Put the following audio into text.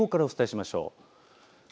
警報からお伝えしましょう。